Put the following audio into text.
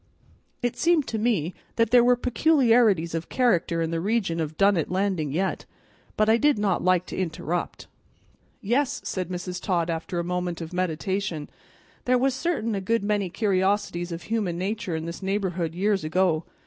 It seemed to me that there were peculiarities of character in the region of Dunnet Landing yet, but I did not like to interrupt. "Yes," said Mrs. Todd after a moment of meditation, "there was certain a good many curiosities of human natur' in this neighborhood years ago.